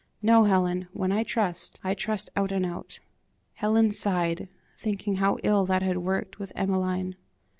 No, Helen; when I trust, I trust out and out." Helen sighed, thinking how ill that had worked with Emmeline.